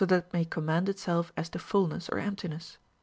that it may command itself as to fulness or emptiness.